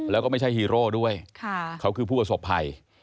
แล้วก็ไม่ใช่ฮีโร่ด้วยเขาคือผู้ประสบภัย